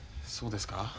そうですか？